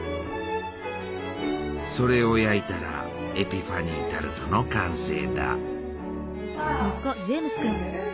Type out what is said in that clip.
それを焼いたらエピファニータルトの完成だ！